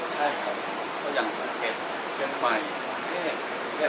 ใช่ครับเขายังเก็บเชียงใหม่